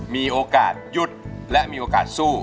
มีโอกาสหยุดและมีโอกาสสู้